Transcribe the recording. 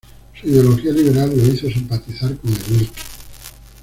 Su ideología liberal lo hizo simpatizar con el Lic.